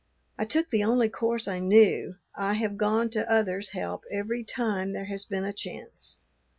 I took the only course I knew. I have gone to others' help every time there has been a chance.